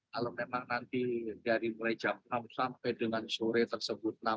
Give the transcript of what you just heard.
kalau memang nanti dari mulai jam enam sampai dengan sore tersebut